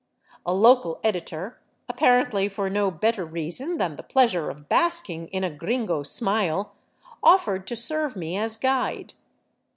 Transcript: A local editor, ap parently for no better reason than the pleasure of basking in a gringo smile, offered to serve me as guide.